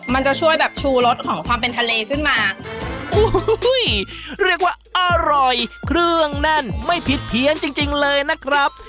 มันจะช่วยแบบชูรสของความเป็นทะเลขึ้นมาโอ้โหเรียกว่าอร่อยเครื่องแน่นไม่ผิดเพี้ยนจริงจริงเลยนะครับ